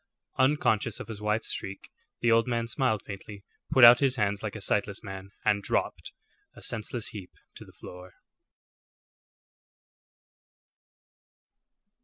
Unconscious of his wife's shriek, the old man smiled faintly, put out his hands like a sightless man, and dropped, a senseless heap, to the floor.